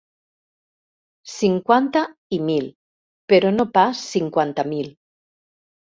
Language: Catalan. Cinquanta i mil, però no pas cinquanta mil.